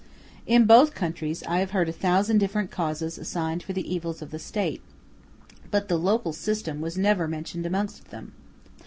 In both countries I have heard a thousand different causes assigned for the evils of the State, but the local system was never mentioned amongst them.